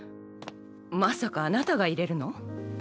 まさかあなたがいれるの？